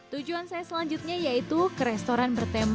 tujuan saya selanjutnya yaitu ke restoran bertemu kucing